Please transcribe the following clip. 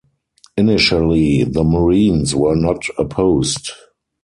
Initially, the Marines were not opposed.